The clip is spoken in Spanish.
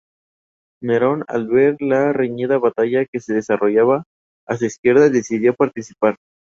Nerón, al ver la reñida batalla que se desarrollaba a su izquierda, decidió participar.